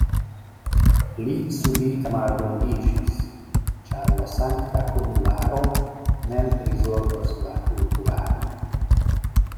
Li subite maldungiĝis, ĉar la sankta kunularo mem prizorgos la kulturadon.